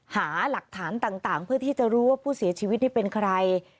หาหลักฐานต่างเพื่อที่จะรู้ว่าผู้เสียชีวิตนี่เป็นใคร